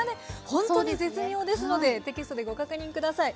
ほんとに絶妙ですのでテキストでご確認下さい。